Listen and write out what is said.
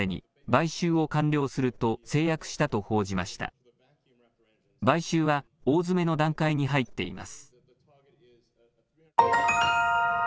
買収は大詰めの段階に入っています。